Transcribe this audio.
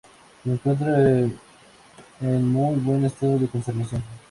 Se encuentra en muy buen estado de conservación.